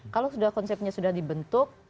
kalau konsepnya sudah dibentuk